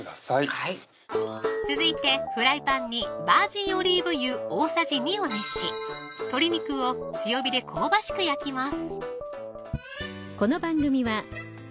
続いてフライパンにバージンオリーブ油・大さじ２を熱し鶏肉を強火で香ばしく焼きます